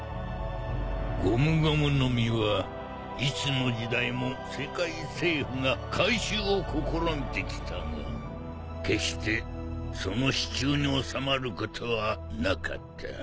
ゴムゴムの実はいつの時代も世界政府が回収を試みてきたが決してその手中に収まることはなかった。